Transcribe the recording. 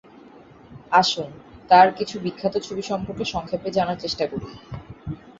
আসুন, তাঁর কিছু বিখ্যাত ছবি সম্পর্কে সংক্ষেপে জানার চেষ্টা করি।